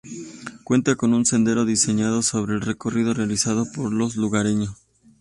Cuenta con un sendero diseñado sobre el recorrido realizado por los lugareños.